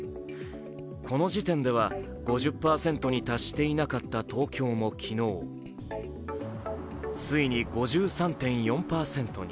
この時点では５０％に達していなかった東京も昨日、ついに５３．４％に。